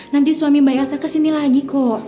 nanti suami mbak yasa kesini lagi kok